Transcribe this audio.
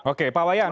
oke pak wayan